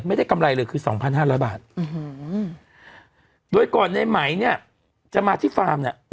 ไม่ได้กำไรเลยคือสองพันห้าร้อยบาทโดยก่อนในไหมเนี่ยจะมาที่ฟาร์มเนี่ย